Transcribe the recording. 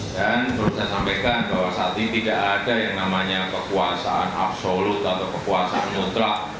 dan perlu saya sampaikan bahwa saat ini tidak ada yang namanya kekuasaan absolut atau kekuasaan nutrak